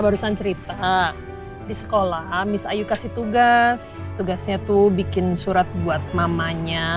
barusan cerita di sekolah amis ayu kasih tugas tugasnya tuh bikin surat buat mamanya